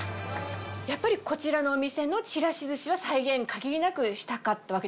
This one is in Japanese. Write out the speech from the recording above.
やっぱりこちらのお店のちらし寿司は再現限りなくしたかったわけですもんね？